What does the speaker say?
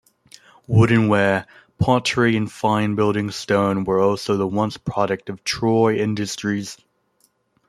Wooden-ware, pottery and fine building stone were also once the products of Troy industries.